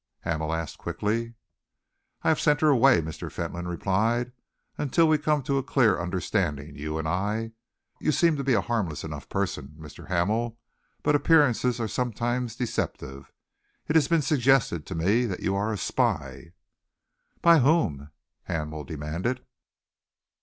Hamel asked quickly. "I have sent her away," Mr. Fentolin replied, "until we come to a clear understanding, you and I. You seem to be a harmless enough person, Mr. Hamel but appearances are sometimes deceptive. It has been suggested to me that you are a spy." "By whom?" Hamel demanded.